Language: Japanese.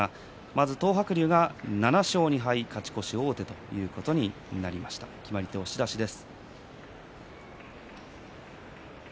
東白龍が７勝２敗、勝ち越し王手ということになりました決まり手、押し出しです。